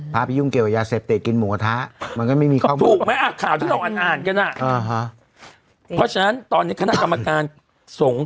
เพราะฉะนั้นตอนนี้คณะกรรมการส่ง